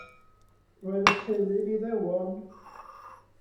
Roedd y teulu'n Iddewon.